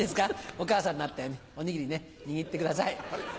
お母さんになっておにぎりね握ってください。